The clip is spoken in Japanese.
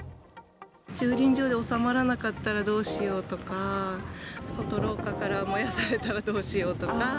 駐輪場で収まらなかったらどうしようとか、外廊下から燃やされたらどうしようとか。